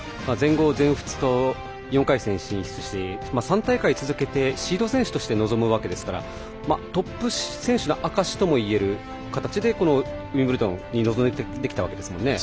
全豪、全仏と４回戦に進出していますし３大会続けてシード選手として臨むわけですからトップ選手の証しともいえる形でウィンブルドンに臨めてきたわけですもんね。